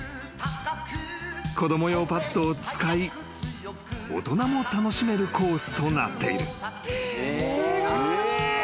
［子供用パットを使い大人も楽しめるコースとなっている］